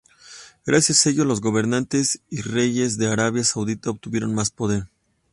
Gracias a ello, los gobernantes y reyes de Arabia Saudita obtuvieron más poder.